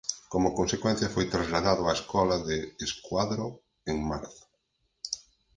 Como consecuencia foi trasladado á escola de Escuadro en marzo.